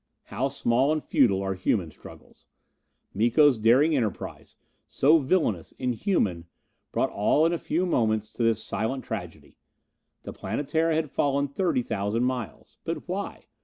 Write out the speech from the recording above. How small and futile are human struggles! Miko's daring enterprise so villainous, inhuman brought all in a few moments to this silent tragedy. The Planetara had fallen thirty thousand miles. But why?